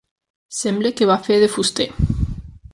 Sembla que va fer de fuster.